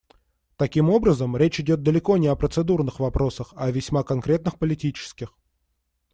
Таким образом, речь идет далеко не о процедурных вопросах, а о весьма конкретных политических.